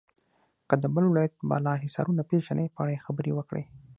که د بل ولایت بالا حصارونه پیژنئ په اړه یې خبرې وکړئ.